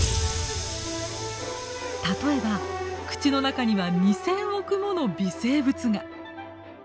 例えば口の中には２，０００億もの微生物が。